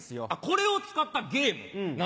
これを使ったゲーム何？